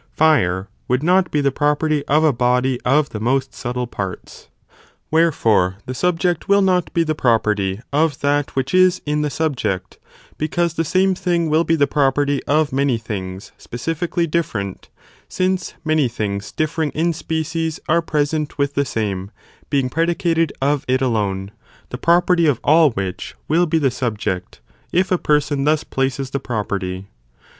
fire would not be the property of a body of the most subtle parts. Wherefore the 'subject will not be the property of that which is in the sub ject, because the same thing will be the property of many things specifically different, since many things differing in species are present with the same, being predicated of it alone, the property of all which, will be the subject, if a person thus places the property.